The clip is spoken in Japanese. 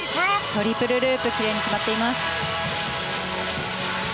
トリプルループきれいに決まっています。